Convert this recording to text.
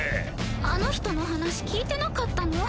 あの人の話聞いてなかったの？